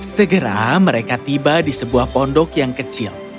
segera mereka tiba di sebuah pondok yang kecil